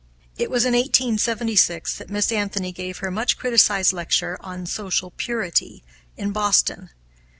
It was in 1876 that Miss Anthony gave her much criticised lecture on "Social Purity" in Boston.